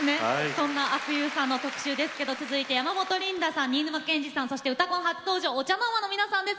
そんな阿久悠さんの特集ですけど続いて山本リンダさん新沼謙治さんそして「うたコン」初登場ＯＣＨＡＮＯＲＭＡの皆さんです。